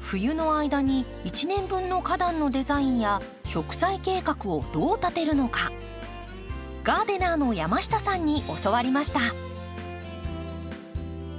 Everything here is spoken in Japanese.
冬の間に一年分の花壇のデザインや植栽計画をどう立てるのかガーデナーの山下さんに教わりました。